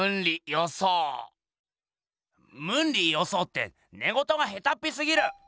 ムンリ・ヨソーってねごとがへたっぴすぎる！